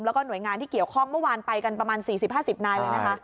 แล้วก็หน่วยงานที่เกี่ยวข้องเมื่อวานไปกันประมาณ๔๐๕๐นายเลยนะคะ